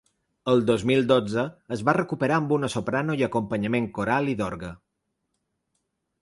El dos mil dotze es va recuperar amb una soprano i acompanyament coral i d’orgue.